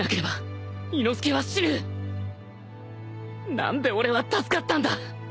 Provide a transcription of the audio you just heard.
何で俺は助かったんだ！？